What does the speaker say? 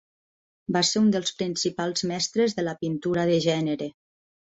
Va ser un dels principals mestres de la pintura de gènere.